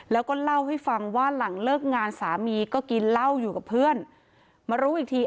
แล้วก็เล่าให้ฟังว่าหลังเลิกงานสามีก็กินเหล้าอยู่กับเพื่อนมารู้อีกที